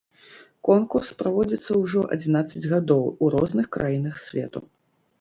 Конкурс праводзіцца ўжо адзінаццаць гадоў у розных краінах свету.